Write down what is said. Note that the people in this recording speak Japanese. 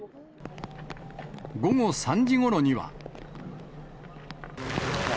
午後３時ごろには。